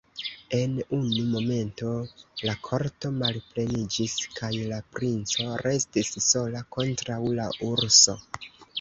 En unu momento la korto malpleniĝis, kaj la princo restis sola kontraŭ la urso.